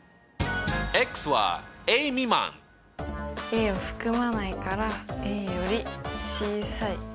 はい。を含まないからより小さい。